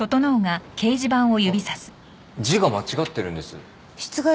字が間違ってるんです。